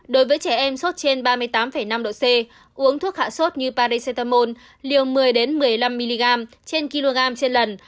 đối với trẻ em sốt trên ba mươi tám năm độ c uống thuốc hạ sốt như parisetamol liều một mươi một mươi năm mg trên kg trên lần